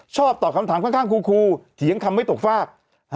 ตอบคำถามข้างครูเถียงคำไม่ตกฟาก